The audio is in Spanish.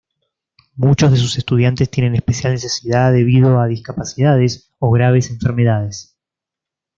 Muchos de sus estudiantes tienen especial necesidad debido a discapacidades o graves enfermedades.